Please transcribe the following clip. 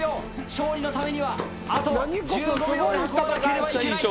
勝利のためにはあと１５秒で運ばなければいけない！